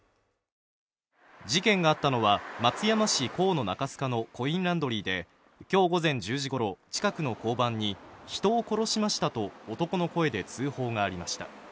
事件があったのは松山市河野中須賀のコインランドリーで、今日午前１０時ごろ、近くの交番に人を殺しましたと男の声で通報がありました。